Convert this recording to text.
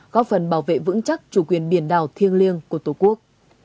góp phần bảo vệ vững chắc chủ quyền biển đảo thiêng liêng của tổ quốc